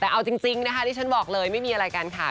แต่เอาจริงนะคะที่ฉันบอกเลยไม่มีอะไรกันค่ะ